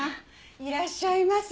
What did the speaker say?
いらっしゃいませ。